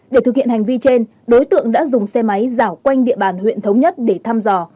để thực hiện hành vi trên đối tượng đã dùng xe máy giảo quanh địa bàn huyện thống nhất để thăm dò